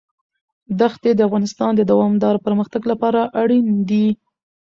دښتې د افغانستان د دوامداره پرمختګ لپاره اړین دي.